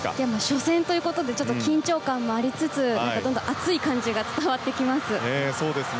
初戦ということでちょっと緊張感もありつつ熱い感じが伝わってきます。